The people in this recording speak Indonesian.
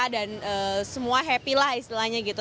dan semua happy lah istilahnya gitu